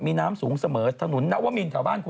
มีน้ำสูงเสมอถนนนวมินแถวบ้านคุณ